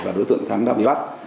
và đối tượng thắng đã bị bắt